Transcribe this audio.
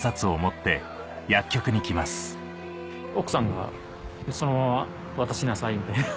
奥さんが「そのまま渡しなさい」みたいな。